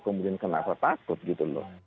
kemudian kenapa takut gitu loh